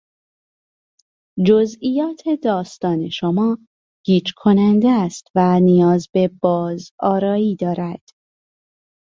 جزئیات داستان شما گیج کننده است و نیاز به بازآرایی دارد.